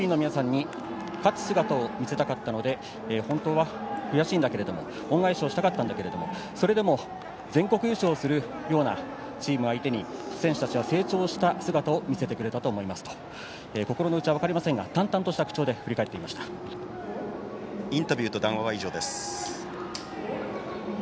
ＯＢの皆さんに勝つ姿を見せたかったので本当は悔しいんだけれども恩返しをしたかったんだけれどもそれでも全国優勝するようなチームを相手に選手たちは成長した姿を見せてくれたと思いますと心のうちは分かりませんが淡々とした口調でインタビューと談話は以上です。